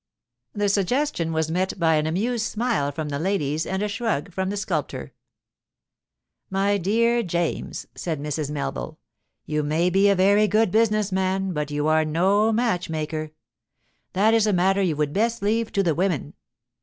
The suggestion was met by an amused smile from the ladies and a shrug from the sculptor. 'My dear James,' said Mrs. Melville, 'you may be a very good business man, but you are no match maker. That is a matter you would best leave to the women.